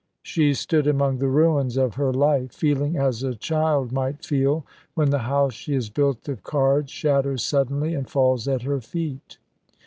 She stood among the ruins of her life, feeling as a child might feel when the house she has built of cards shatters suddenly and falls at her feet.